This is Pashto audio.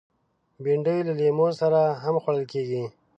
بېنډۍ له لیمو سره هم خوړل کېږي